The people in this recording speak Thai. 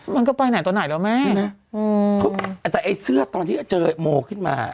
มันก็ไปไหนตัวไหนแล้วแม่อืมแต่ไอ้เสื้อตอนที่เจอโมขึ้นมา